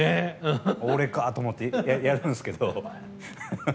俺かと思ってやるんですけど。